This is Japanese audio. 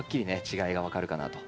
違いが分かるかなと。